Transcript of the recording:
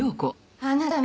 あなたも？